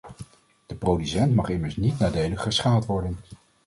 De producent mag immers niet nadelig geschaad worden.